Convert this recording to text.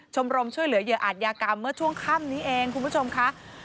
ชมรมช่วยเหลือเหยื่ออาจยากรรมเมื่อช่วงค่ำนี้เองคุณผู้ชมค่ะ